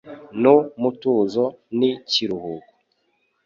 Nu mutuzo ni kiruhuko.